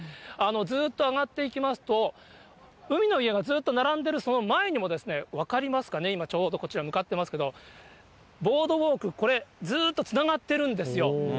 ずっと上がっていきますと、海の家がずっと並んでるその前にも、分かりますかね、今ちょうどこちら向かっていますけど、ボードウォーク、これ、ずっとつながってるんですよ。